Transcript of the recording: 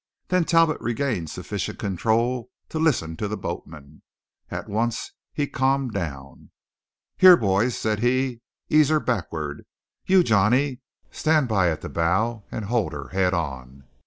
Then Talbot regained sufficient control to listen to the boatman. At once he calmed down. "Here, boys," said he, "ease her backward. You, Johnny, stand by at the bow and hold her head on.